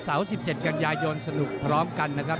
๑๗กันยายนสนุกพร้อมกันนะครับ